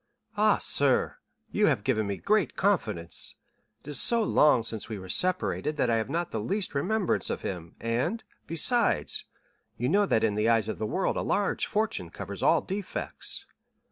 "Ah, sir, you have given me confidence; it is so long since we were separated, that I have not the least remembrance of him, and, besides, you know that in the eyes of the world a large fortune covers all defects."